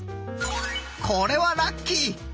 これはラッキー！